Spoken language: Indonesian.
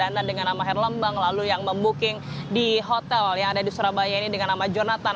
karena dengan nama herlembang lalu yang membuking di hotel yang ada di surabaya ini dengan nama jonathan